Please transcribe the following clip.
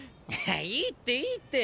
いいっていいって！